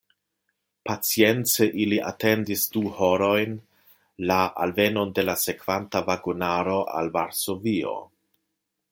Pacience ili atendis du horojn la alvenon de la sekvanta vagonaro al Varsovio.